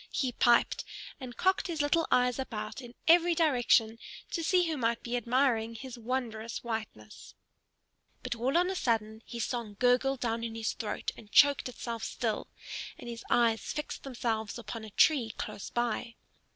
he piped, and cocked his little eyes about in every direction, to see who might be admiring his wondrous whiteness. But all on a sudden his song gurgled down into his throat and choked itself still, and his eyes fixed themselves upon a tree close by.